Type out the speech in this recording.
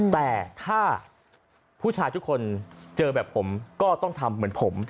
แต่ถ้าผู้ชายทุกคนเจอแบบผมก็ต้องทำเหมือนผม